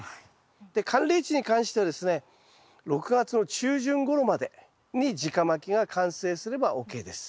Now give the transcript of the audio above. で寒冷地に関してはですね６月の中旬ごろまでに直まきが完成すればＯＫです。